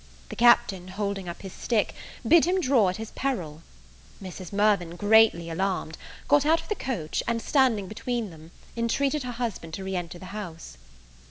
The Captain, holding up his stick, bid him draw at his peril. Mrs. Mirvan, greatly alarmed, got out of the coach, and, standing between them, intreated her husband to re enter the house.